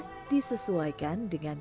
sekolah disesuaikan dengan